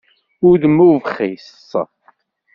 Udem ubxiṣ.